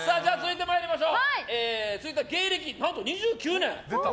続いては芸歴何と２９年。